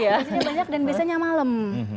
durasinya banyak dan biasanya malam